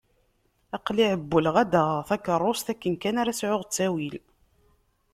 Aql-i εewwleɣ ad d-aɣeɣ takeṛṛust akken kan ara sεuɣ ttawil.